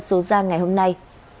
số ra ngày hôm nay